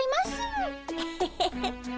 エヘヘヘ。